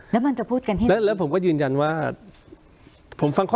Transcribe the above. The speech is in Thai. แล้วมันจะพูดกันที่ไหนแล้วผมก็ยืนยันว่าผมฟังข้อ